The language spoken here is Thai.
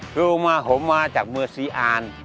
คือผมมาจากเมือซีอาร